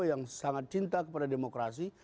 yang sangat cinta kepada demokrasi